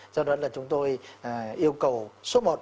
sau đó là chúng tôi yêu cầu số một